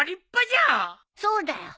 そうだよ。